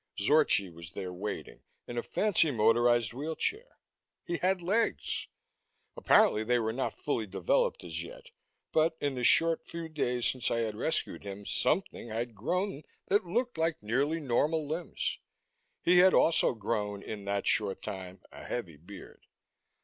Zorchi was there waiting, in a fancy motorized wheelchair. He had legs! Apparently they were not fully developed as yet, but in the short few days since I had rescued him something had grown that looked like nearly normal limbs. He had also grown, in that short time, a heavy beard.